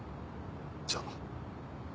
じゃあ。